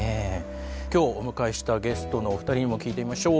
今日お迎えしたゲストのお二人にも聞いてみましょう。